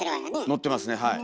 のってますねはい。